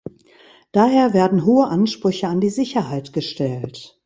Daher werden hohe Ansprüche an die Sicherheit gestellt.